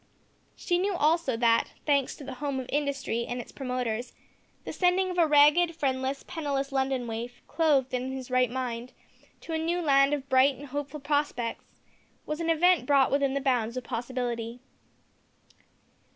She knew, also, that, thanks to the Home of Industry and its promoters, the sending of a ragged, friendless, penniless London waif, clothed and in his right mind, to a new land of bright and hopeful prospects, was an event brought within the bounds of possibility.